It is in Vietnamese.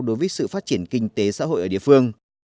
đối với sự phát triển kinh tế xã hội ở địa phương